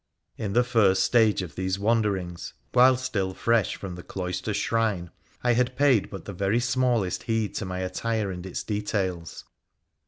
In the first stage of these wanderings, while still fresh from the cloister shrine, I had paid but the very smallest heed to my attire and its details.